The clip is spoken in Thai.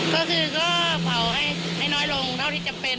ก็คือก็เผาให้น้อยลงเท่าที่จำเป็น